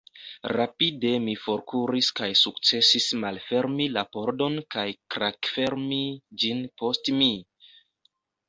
Rapide mi forkuris kaj sukcesis malfermi la pordon kaj klakfermi ĝin post mi.